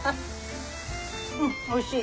うんおいしい。